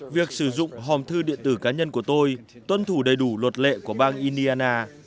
việc sử dụng hòm thư điện tử cá nhân của tôi tuân thủ đầy đủ luật lệ của bang indiana